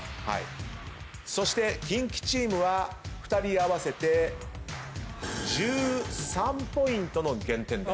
そしてキンキチームは２人合わせて１３ポイントの減点です。